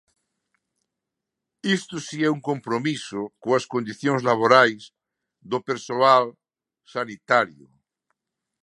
Isto si é un compromiso coas condicións laborais do persoal sanitario.